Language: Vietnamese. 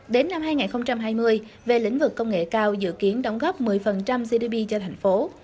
đến năm hai nghìn hai mươi về lĩnh vực công nghệ cao dự kiến đóng góp một mươi gdp cho thành phố